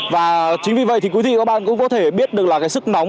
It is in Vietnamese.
và chính vì vậy thì quý vị các bạn cũng có thể biết được là cái sức nóng